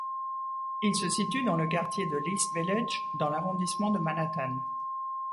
Il se situe dans le quartier de l'East Village, dans l'arrondissement de Manhattan.